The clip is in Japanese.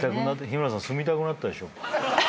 日村さん住みたくなったでしょ？